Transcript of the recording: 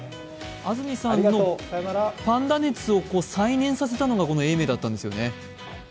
安住さんのパンダ熱を再現させたのが永明だったんですよね。